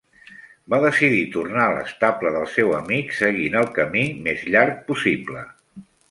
Va decidir tornar a l'estable del seu amic seguint el camí més llarg possible.